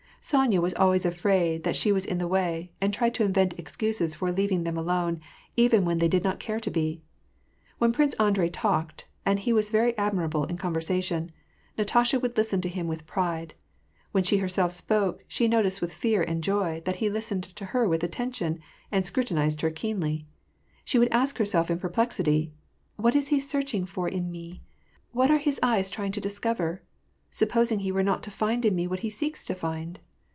Sonya was always afraid that she was in the way, and tried to invent excuses for leav ing them alone, even when they did not care to be. When Prince Andrei talked — and he was very admirable in conver sation — Natasha would listen to him with pride ; when she herself spoke, she noticed, with fear and joy, that he listened to her with attention, and scrutinized her keenly. She would ask herself in perplexity, " What is he searching for in me ? What are his eyes trying to discover ? Supposing he were not to find in me what he seeks to find